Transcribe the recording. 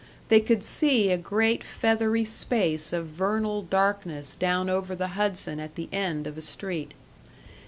They could see a great feathery space of vernal darkness down over the Hudson at the end of a street.